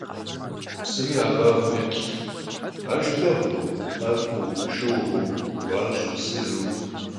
Псым и ӀэфӀагъым еплъ; ар жыпӀэ хъуну ӀэфӀу, шыугъэу, гуащӀэу, сыру?